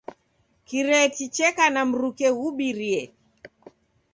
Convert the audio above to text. Kireti cheka na mruke ghubirie.